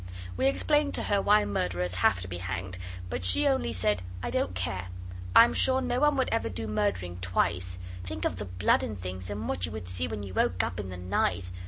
We explained to her why murderers have to be hanged, but she only said, 'I don't care. I'm sure no one would ever do murdering twice. Think of the blood and things, and what you would see when you woke up in the night!